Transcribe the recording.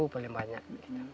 satu ratus sepuluh boleh banyak